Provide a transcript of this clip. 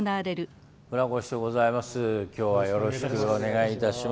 今日はよろしくお願いいたします。